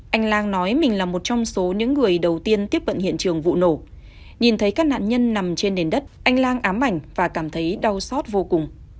anh lang nói mình là một trong số những người đầu tiên tiếp cận hiện trường vụ nổ nhìn thấy các nạn nhân nằm trên nền đất anh lang ám ảnh và cảm thấy đau xót vô cùng